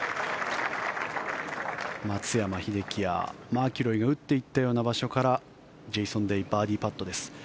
松山英樹やマキロイが打っていったような場所からジェイソン・デイバーディーパットです。